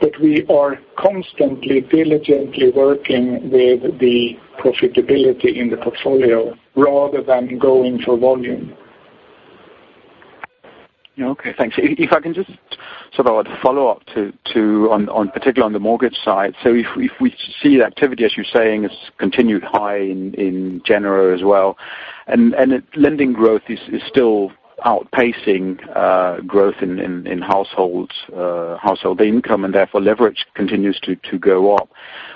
but we are constantly, diligently working with the profitability in the portfolio rather than going for volume. Yeah. Okay, thanks. If I can just sort of follow up on, in particular, on the mortgage side. So if we see the activity, as you're saying, is continued high in general as well, and lending growth is still outpacing growth in household income, and therefore, leverage continues to go up,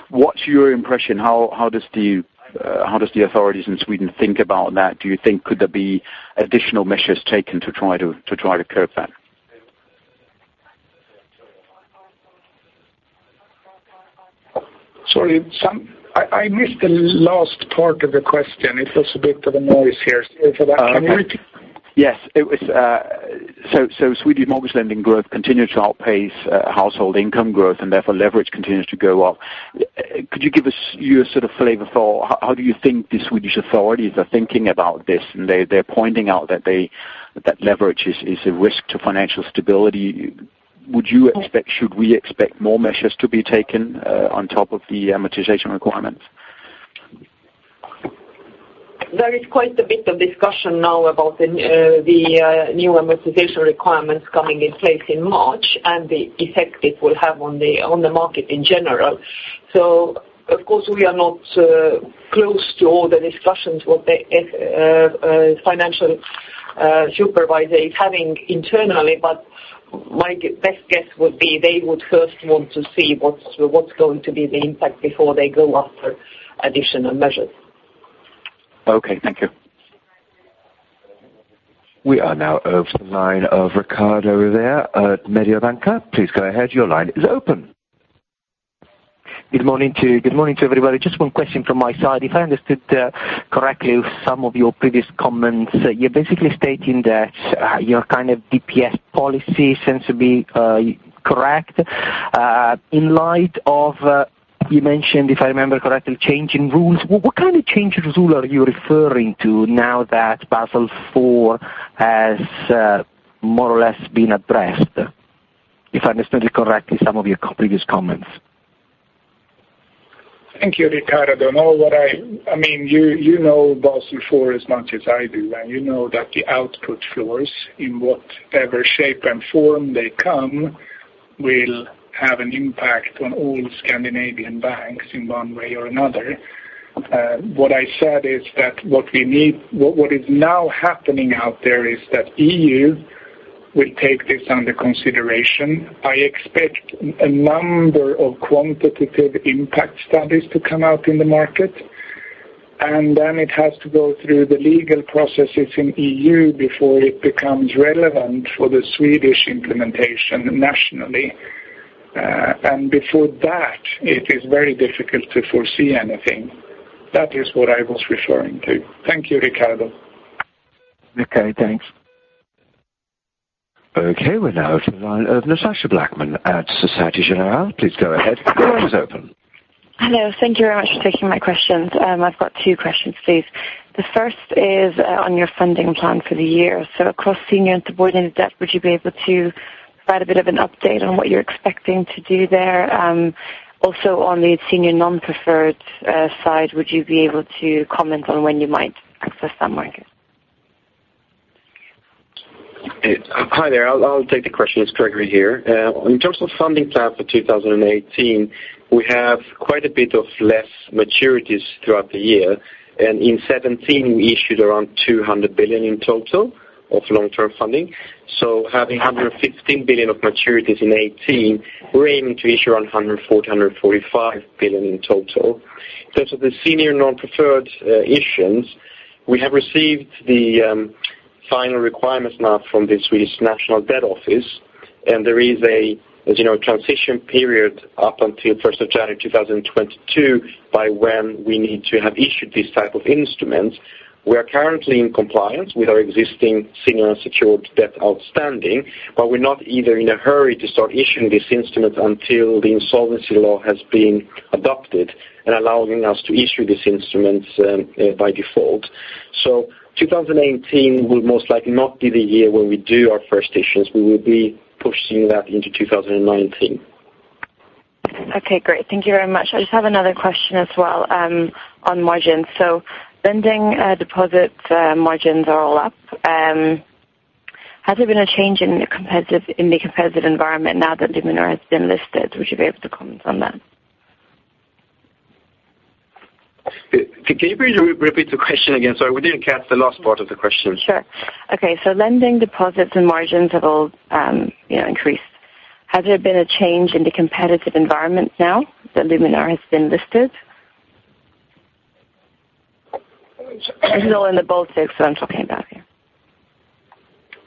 what's your impression? How does the authorities in Sweden think about that? Do you think could there be additional measures taken to try to curb that?... Sorry, I missed the last part of the question. It was a bit of a noise here for that community. Yes, it was, so Swedish mortgage lending growth continues to outpace household income growth, and therefore, leverage continues to go up. Could you give us your sort of flavor for how you think the Swedish authorities are thinking about this? And they're pointing out that leverage is a risk to financial stability. Would you expect, should we expect more measures to be taken on top of the amortization requirements? There is quite a bit of discussion now about the new amortization requirements coming in place in March and the effect it will have on the market in general. So of course, we are not close to all the discussions what the financial supervisor is having internally, but my best guess would be they would first want to see what's going to be the impact before they go after additional measures. Okay, thank you. We are now over to the line of Riccardo Rovere at Mediobanca. Please go ahead. Your line is open. Good morning to you. Good morning to everybody. Just one question from my side. If I understood correctly, some of your previous comments, you're basically stating that your kind of DPS policy seems to be correct. In light of, you mentioned, if I remember correctly, changing rules, what kind of change of rule are you referring to now that Basel IV has more or less been addressed? If I understood it correctly, some of your previous comments. Thank you, Riccardo. No, what I... I mean, you know Basel IV as much as I do, and you know that the output floors, in whatever shape and form they come, will have an impact on all Scandinavian banks in one way or another. What I said is that what we need, what is now happening out there is that EU will take this under consideration. I expect a number of quantitative impact studies to come out in the market, and then it has to go through the legal processes in EU before it becomes relevant for the Swedish implementation nationally. And before that, it is very difficult to foresee anything. That is what I was referring to. Thank you, Riccardo. Okay, thanks. Okay, we're now to the line of Natasha Blackman at Société Générale. Please go ahead. Your line is open. Hello. Thank you very much for taking my questions. I've got two questions, please. The first is on your funding plan for the year. So across senior and subordinate debt, would you be able to provide a bit of an update on what you're expecting to do there? Also, on the senior non-preferred side, would you be able to comment on when you might access that market? Hi there. I'll take the question. It's Gregori here. In terms of funding plan for 2018, we have quite a bit of less maturities throughout the year, and in 2017, we issued around 200 billion in total of long-term funding. So having 115 billion of maturities in 2018, we're aiming to issue around 140-145 billion in total. In terms of the senior non-preferred issuance, we have received the final requirements now from the Swedish National Debt Office, and there is a, as you know, transition period up until January 1, 2022, by when we need to have issued this type of instrument. We are currently in compliance with our existing senior unsecured debt outstanding, but we're not either in a hurry to start issuing this instrument until the insolvency law has been adopted and allowing us to issue these instruments, by default. So 2018 will most likely not be the year when we do our first issuance. We will be pushing that into 2019. Okay, great. Thank you very much. I just have another question as well, on margins. So lending, deposit, margins are all up. Has there been a change in the competitive environment now that Luminor has been listed? Would you be able to comment on that? Can you re-repeat the question again? Sorry, we didn't catch the last part of the question. Sure. Okay, so lending deposits and margins have all, you know, increased. Has there been a change in the competitive environment now that Luminor has been listed? Sorry. This is all in the Baltics, what I'm talking about here.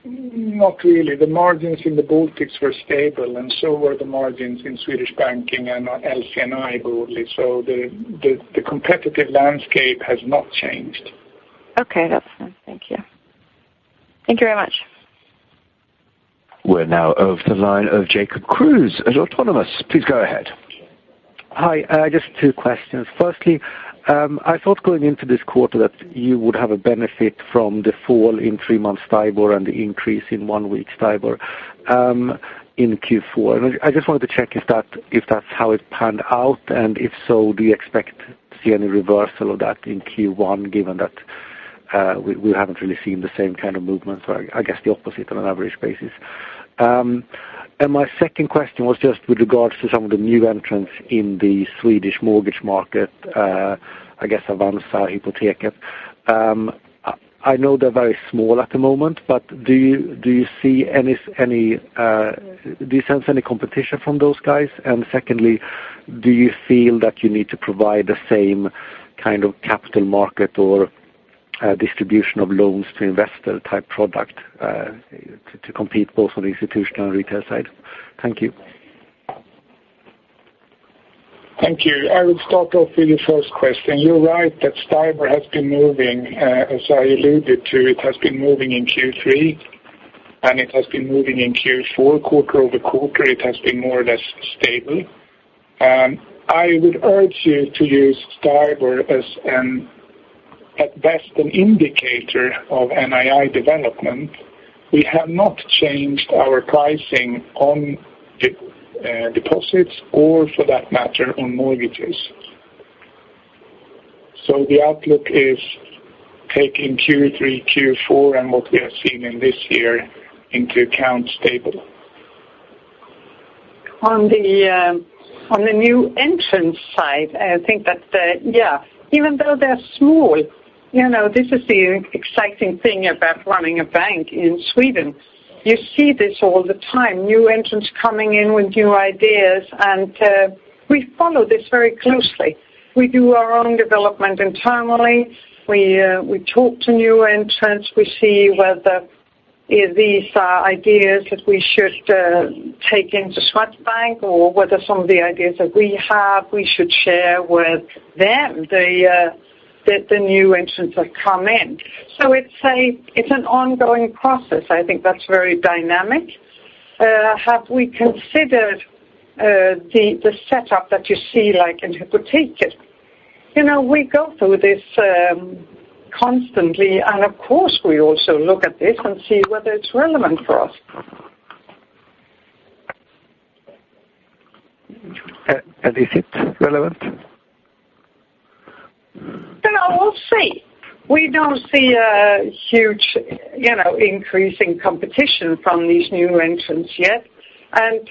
Not really. The margins in the Baltics were stable, and so were the margins in Swedish banking and LCNI broadly. So the competitive landscape has not changed. Okay, that's fine. Thank you. Thank you very much. We're now over to the line of Jacob Kruse at Autonomous. Please go ahead. Hi, just two questions. Firstly, I thought going into this quarter that you would have a benefit from the fall in three-month STIBOR and the increase in one-week STIBOR in Q4. And I just wanted to check if that, if that's how it panned out, and if so, do you expect to see any reversal of that in Q1, given that we haven't really seen the same kind of movement, or I guess, the opposite on an average basis? And my second question was just with regards to some of the new entrants in the Swedish mortgage market, I guess Avanza, Hypoteket. I know they're very small at the moment, but do you see any, do you sense any competition from those guys? Secondly, do you feel that you need to provide the same kind of capital market or? ... distribution of loans to investor type product, to compete both on the institutional and retail side? Thank you. Thank you. I will start off with the first question. You're right, that STIBOR has been moving, as I alluded to, it has been moving in Q3, and it has been moving in Q4. Quarter-over-quarter, it has been more or less stable. I would urge you to use STIBOR as an, at best, an indicator of NII development. We have not changed our pricing on deposits or for that matter, on mortgages. So the outlook is taking Q3, Q4, and what we have seen in this year into account stable. On the, on the new entrant side, I think that, yeah, even though they're small, you know, this is the exciting thing about running a bank in Sweden. You see this all the time, new entrants coming in with new ideas, and, we follow this very closely. We do our own development internally. We, we talk to new entrants. We see whether if these are ideas that we should, take into Swedbank, or whether some of the ideas that we have, we should share with them, the, the new entrants that come in. So it's an ongoing process. I think that's very dynamic. Have we considered, the setup that you see, like in Hypotek? You know, we go through this, constantly, and of course, we also look at this and see whether it's relevant for us. Is it relevant? Well, we'll see. We don't see a huge, you know, increase in competition from these new entrants yet. And,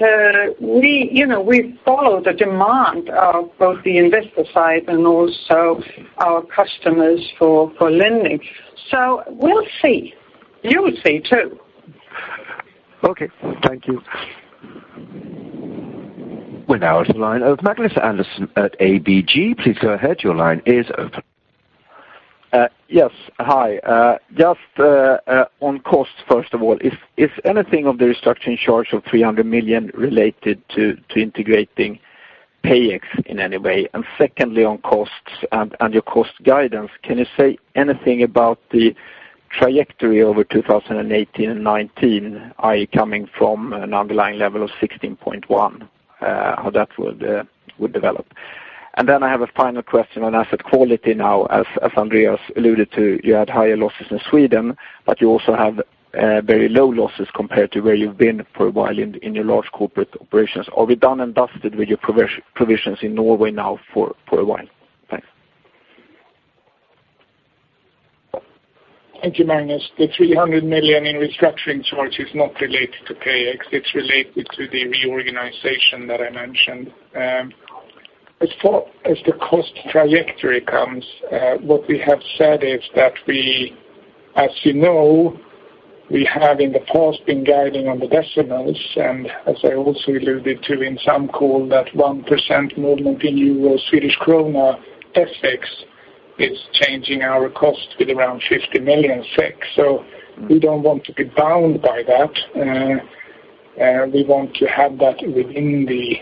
you know, we follow the demand of both the investor side and also our customers for lending. So we'll see. You will see, too. Okay. Thank you. We're now on the line of Magnus Andersson at ABG. Please go ahead. Your line is open. Yes. Hi. Just on cost, first of all, is anything of the restructuring charge of 300 million related to integrating PayEx in any way? And secondly, on costs and your cost guidance, can you say anything about the trajectory over 2018 and 2019, i.e., coming from an underlying level of 16.1, how that would develop? And then I have a final question on asset quality now. As Andreas alluded to, you had higher losses in Sweden, but you also have very low losses compared to where you've been for a while in your large corporate operations. Are we done and dusted with your provisions in Norway now for a while? Thanks. Thank you, Magnus. The 300 million in restructuring charge is not related to PayEx, it's related to the reorganization that I mentioned. As far as the cost trajectory comes, what we have said is that we, as you know, we have in the past been guiding on the decimals, and as I also alluded to in some call, that 1% movement in euro, Swedish krona, FX, is changing our cost with around 50 million. So we don't want to be bound by that. We want to have that within the,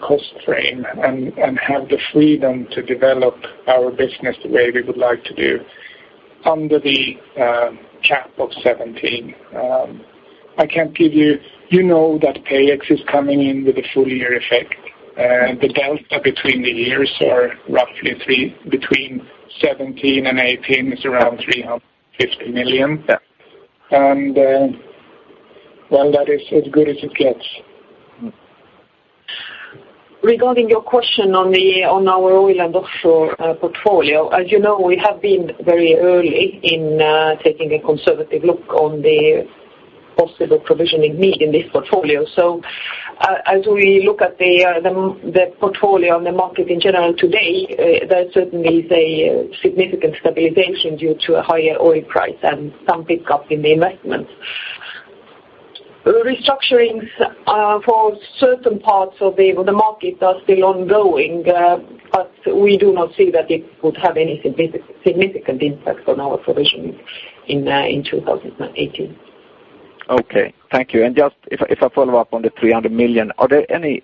cost frame and, and have the freedom to develop our business the way we would like to do under the, cap of 17. I can give you, you know that PayEx is coming in with a full year effect. The delta between the years are roughly three, between 17 and 18 is around 350 million. Yeah. Well, that is as good as it gets. Regarding your question on our oil and offshore portfolio, as you know, we have been very early in taking a conservative look on the possible provisioning need in this portfolio. So as we look at the portfolio on the market in general today, there certainly is a significant stabilization due to a higher oil price and some pickup in the investments. Restructurings for certain parts of the market are still ongoing, but we do not see that it would have any significant impact on our provisioning in 2018. Okay. Thank you. Just if I, if I follow up on the 300 million, are there any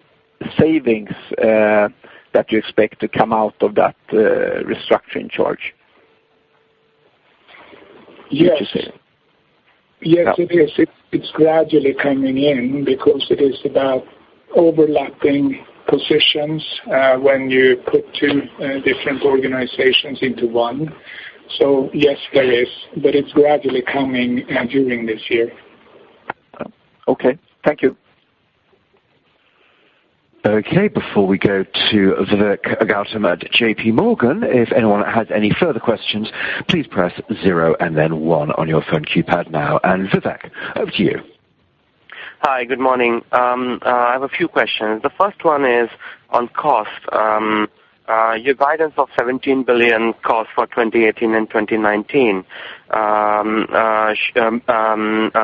savings that you expect to come out of that restructuring charge? Yes. Would you say? Yes, it is. Okay. It's, it's gradually coming in because it is about overlapping positions, when you put two, different organizations into one. So yes, there is, but it's gradually coming, during this year. Okay. Thank you. Okay, before we go to Vivek Gautam at JP Morgan, if anyone has any further questions, please press zero and then one on your phone keypad now. Vivek, over to you. Hi, good morning. I have a few questions. The first one is on cost. Your guidance of 17 billion cost for 2018 and 2019-...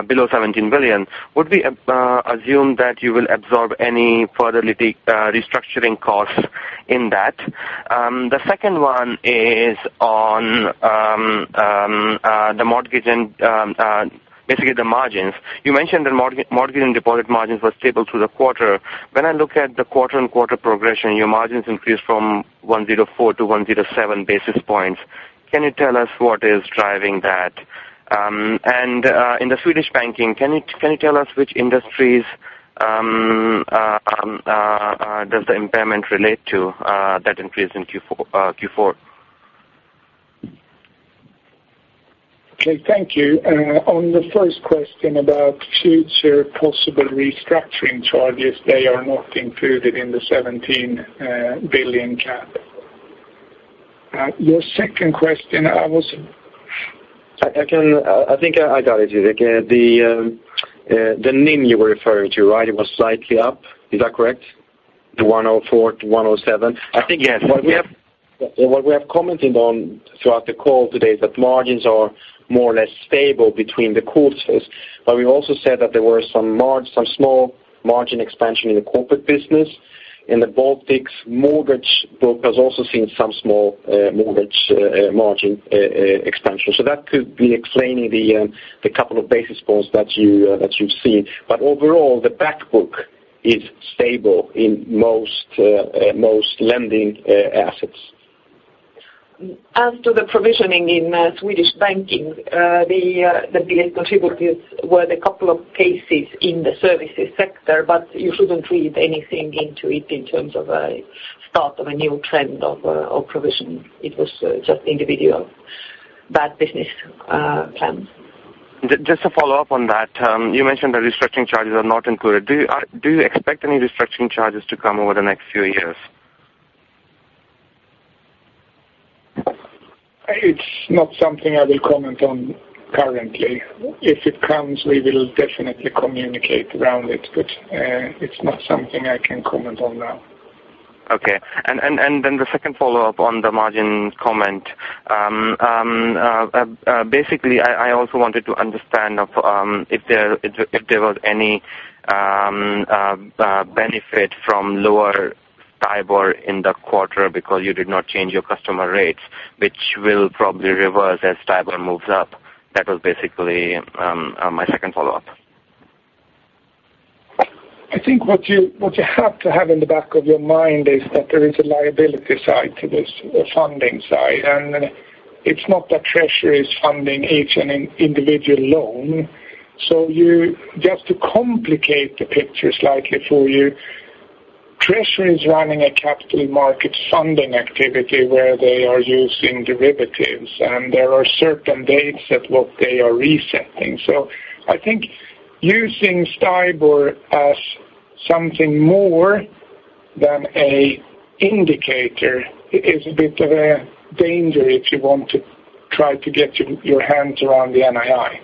below 17 billion, would we assume that you will absorb any further restructuring costs in that? The second one is on the mortgage and basically the margins. You mentioned the mortgage and deposit margins were stable through the quarter. When I look at the quarter and quarter progression, your margins increased from 104-107 basis points. Can you tell us what is driving that? And in the Swedish banking, can you tell us which industries does the impairment relate to that increase in Q4? Okay, thank you. On the first question about future possible restructuring charges, they are not included in the 17 billion cap. Your second question, I was- I think I got it, Vivek. The NIM you were referring to, right? It was slightly up. Is that correct? The 104-107. I think, yes. What we have commented on throughout the call today is that margins are more or less stable between the quarters, but we also said that there were some small margin expansion in the corporate business. In the Baltics, mortgage book has also seen some small mortgage margin expansion. So that could be explaining the couple of basis points that you've seen. But overall, the back book is stable in most lending assets. As to the provisioning in Swedish banking, the biggest contributors were the couple of cases in the services sector, but you shouldn't read anything into it in terms of a start of a new trend of provisioning. It was just individual bad business plans. Just to follow up on that, you mentioned the restructuring charges are not included. Do you expect any restructuring charges to come over the next few years? It's not something I will comment on currently. If it comes, we will definitely communicate around it, but, it's not something I can comment on now. Okay. And then the second follow-up on the margin comment. Basically, I also wanted to understand of benefit from lower STIBOR in the quarter because you did not change your customer rates, which will probably reverse as STIBOR moves up. That was basically my second follow-up. I think what you, what you have to have in the back of your mind is that there is a liability side to this, a funding side, and it's not that treasury is funding each and individual loan. So you, just to complicate the picture slightly for you, treasury is running a capital market funding activity where they are using derivatives, and there are certain dates at what they are resetting. So I think using STIBOR as something more than an indicator is a bit of a danger if you want to try to get your, your hands around the NII.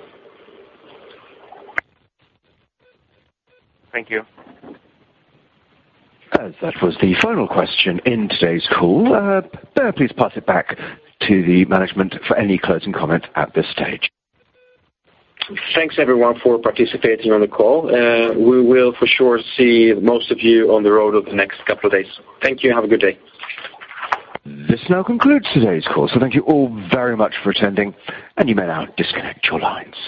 Thank you. That was the final question in today's call. Per, please pass it back to the management for any closing comment at this stage. Thanks, everyone, for participating on the call. We will, for sure, see most of you on the road over the next couple of days. Thank you, and have a good day. This now concludes today's call. Thank you all very much for attending, and you may now disconnect your lines.